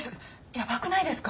やばくないですか？